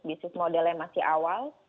bisnis model yang masih awal